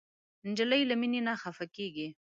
نجلۍ له مینې نه خفه کېږي.